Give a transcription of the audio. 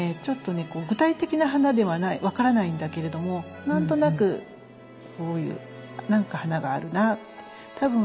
ちょっと具体的な花ではない分からないんだけれども何となくこういう何か花があるなって。